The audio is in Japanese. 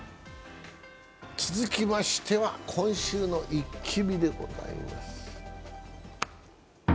続きましては今週の「イッキ見」でございます。